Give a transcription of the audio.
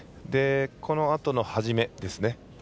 このあとの始めですね。